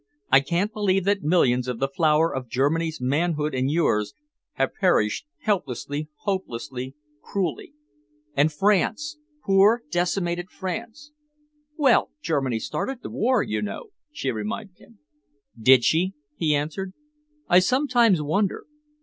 I can't believe that millions of the flower of Germany's manhood and yours have perished helplessly, hopelessly, cruelly. And France poor decimated France!" "Well, Germany started the war, you know," she reminded him. "Did she?" he answered. "I sometimes wonder.